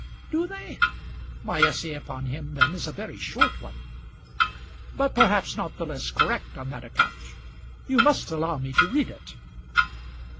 "Do they? My essay upon him then is a very short one." "But perhaps not the less correct on that account. You must allow me to read it."